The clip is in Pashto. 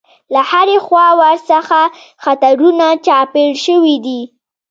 له هرې خوا ورڅخه خطرونه چاپېر شوي دي.